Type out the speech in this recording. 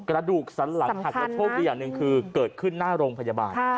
กระดูกภาพหนึ่งคือเกิดขึ้นหน้าโรงพยาบาล